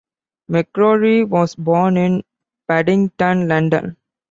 McCrory was born in Paddington, London.